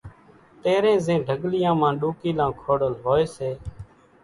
تيرين زين ڍڳليان مان ڏوڪيلان کوڙل ھوئي سي